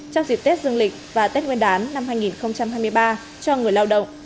trong dịp tết dương lịch và tết nguyên đán năm hai nghìn hai mươi ba cho người lao động